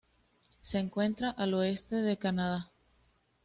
Se encuentra al oeste del Canadá.